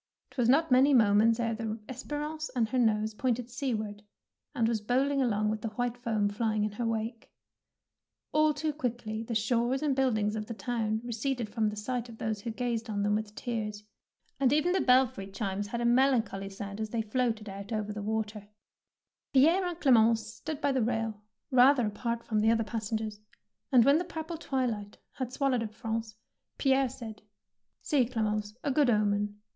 ^Twas not many moments ere the "Esperance^' had her nose pointed seaward, and was bowling along with the white foam fiying in her wake. All too quickly the shores and buildings of the town receded from the sight of those who gazed on them with tears, and even the belfry chimes had a melan choly sound as they floated out over the water. 152 THE PEARL NECKLACE Pierre and Clemence stood by the rail, rather apart from the other pas sengers, and when the purple twilight had swallowed up Prance, Pierre said, —" See, Clemence, a good omen.